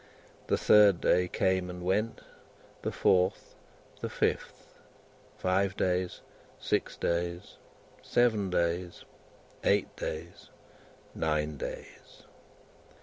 The third day came and went, the fourth, the fifth. Five days, six days, seven days, eight days, nine days.